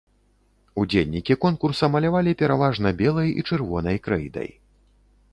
Удзельнікі конкурса малявалі пераважна белай і чырвонай крэйдай.